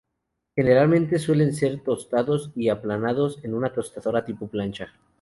Generalmente suelen ser tostados y aplanados en una tostadora tipo plancha.